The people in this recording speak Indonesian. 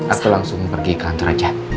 atau langsung pergi ke kantor aja